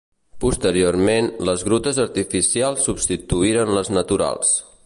Posteriorment, les grutes artificials substituïren les naturals.